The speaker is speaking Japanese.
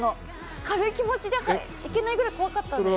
軽い気持ちで行けないくらい怖かったので。